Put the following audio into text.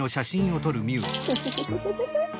フフフフフフ。